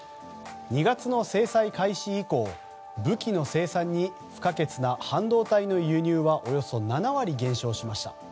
２月の制裁以降武器の生産に不可欠な半導体の輸入はおよそ７割減少しました。